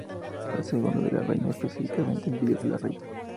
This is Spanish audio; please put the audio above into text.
La segunda en La Reina, específicamente en "Villa La Reina".